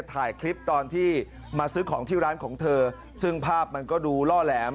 ถ่ายคลิปตอนที่มาซื้อของที่ร้านของเธอซึ่งภาพมันก็ดูล่อแหลม